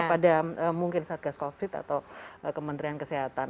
kepada mungkin satgas covid atau kementerian kesehatan